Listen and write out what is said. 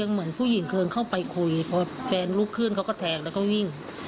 เหมือนผู้หญิงเคยเข้าไปคุยพอแฟนลุกขึ้นเขาก็แทงแล้วก็วิ่ง